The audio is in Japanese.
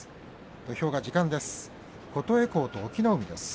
土俵が時間です。